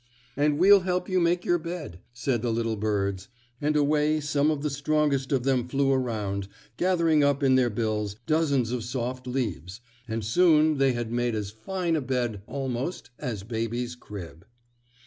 "And we'll help you make your bed," said the little birds, and away some of the strongest of them flew around, gathering up in their bills dozens of soft leaves, and soon they had made as fine a bed, almost, as baby's crib.